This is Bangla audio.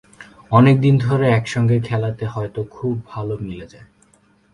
অনেক দিন ধরে একসঙ্গে খেলাতে হয়তো খুব ভালো মিলে যায়।